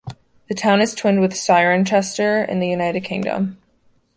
The town is twinned with Cirencester in the United Kingdom.